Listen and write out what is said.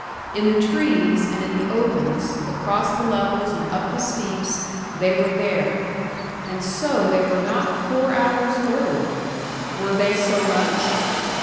In the trees, and in the opens, across the levels, and up the steeps, they were there. And so they were not four hours old! Were they so much?